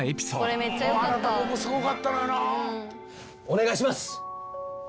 お願いします！